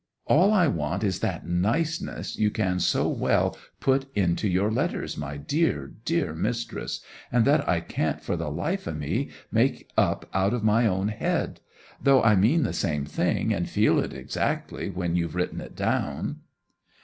'All I want is that niceness you can so well put into your letters, my dear, dear mistress, and that I can't for the life o' me make up out of my own head; though I mean the same thing and feel it exactly when you've written it down!